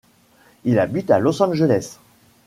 Il habite à Los Angeles.